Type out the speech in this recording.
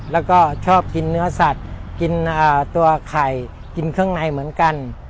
แล้วก็ชอบกินเนื้อสัตว์กินตัวไข่กินข้างในเหมือนกัน